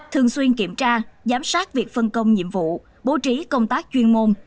thường xuyên kiểm tra giám sát việc phân công nhiệm vụ bố trí công tác chuyên môn